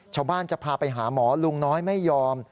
ชาวบ้านจะพาไปหาหมอลุงน้อยไม่ยอม